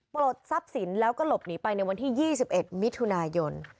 ปลดทรัพย์สินแล้วก็หลบหนีไปในวันที่๒๑มิถุนายน